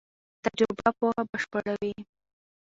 تجربه پوهه بشپړوي.